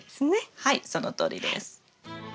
はいそのとおりです。